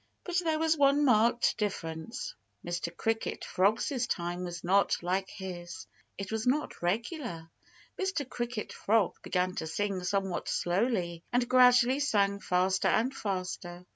But there was one marked difference. Mr. Cricket Frog's time was not like his. It was not regular. Mr. Cricket Frog began to sing somewhat slowly and gradually sang faster and faster.